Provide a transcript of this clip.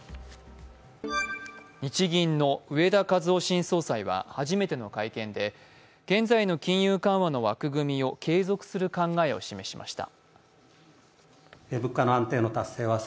日銀の植田和男新総裁は初めての会見で現在の金融緩和の枠組みを継続する考えを示しました。